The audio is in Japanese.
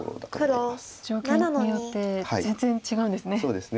状況によって全然違うんですね。